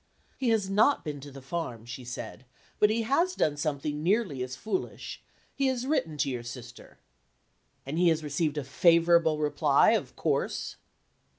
"He has not been to the farm," she said, "but he has done something nearly as foolish. He has written to your sister." "And he has received a favorable reply, of course?"